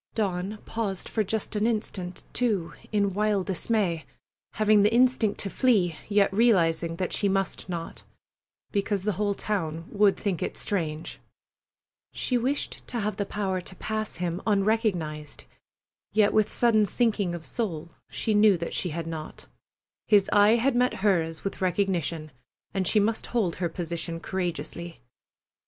Dawn paused for just an instant, too, in wild dismay, having the instinct to flee, yet realizing that she must not, because the whole town would think it strange. She wished to have the power to pass him unrecognized, yet with sudden sinking of soul she knew that she had not. His eye had met hers with recognition, and she must hold her position courageously.